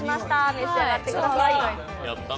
召し上がってください。